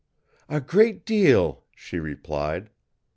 "A great deal," she replied.